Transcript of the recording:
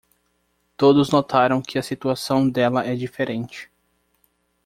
Todos notaram que a situação dela é diferente.